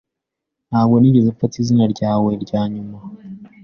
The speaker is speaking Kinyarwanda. Ntabwo nigeze mfata izina ryawe ryanyuma.